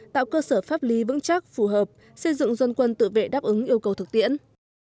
tạo cơ sở pháp lý vững chắc phù hợp xây dựng dân quân tự vệ đáp ứng yêu cầu thực tiễn